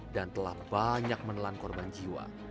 dan telah banyak menelan korban jiwa